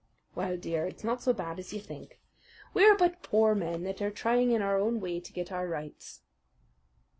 "Well, dear, it's not so bad as you think. We are but poor men that are trying in our own way to get our rights."